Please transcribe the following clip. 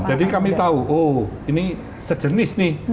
jadi kami tahu oh ini sejenis nih